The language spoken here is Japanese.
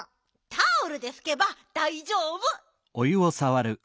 タオルでふけばだいじょうぶ！